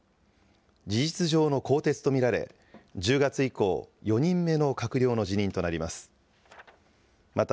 事実上の更迭と見られ、１０月以降、４人目の閣僚の辞任となります。